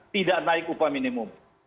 tidak naik upah minimum